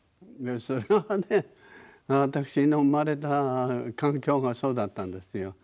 それは私の生まれた環境がそうだったんですよ。